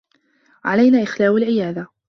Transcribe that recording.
علينا إخلاء العيادة.